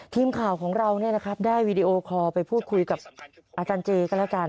ทีมข่าวของเราได้วีดีโอคอลไปพูดคุยกับอาจารย์เจก็แล้วกัน